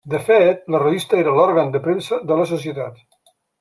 De fet, la revista era l'òrgan de premsa de la societat.